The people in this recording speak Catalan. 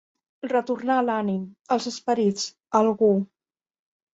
Retornar l'ànim, els esperits, a algú.